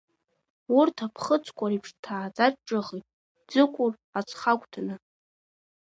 Урҭ аԥхыӡқәа реиԥш дҭааӡа дҿыхеит Ӡыкәыр аҵхагәҭаны.